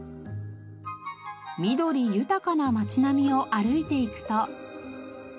緑豊かな街並みを歩いていくと。